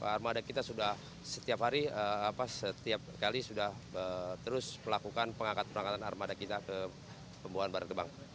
armada kita sudah setiap hari setiap kali sudah terus melakukan pengangkat pengangkatan armada kita ke pembuangan barat gebang